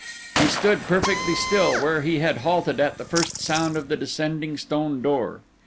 He stood perfectly still where he had halted at the first sound of the descending stone door.